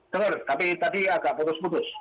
telur tapi tadi agak putus putus